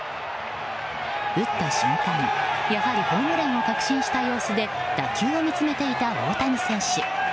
打った瞬間、やはりホームランを確信した様子で打球を見つめていた大谷選手。